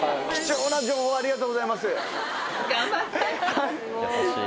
はい！